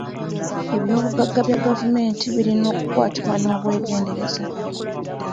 Eby'obugagga bya gavumenti birina okukwatibwa n'obwegendereza.